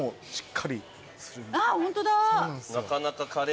あっホントだ。